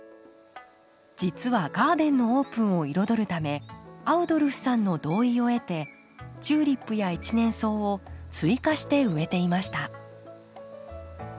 実はガーデンのオープンを彩るためアウドルフさんの同意を得てチューリップや一年草を追加して植えていました。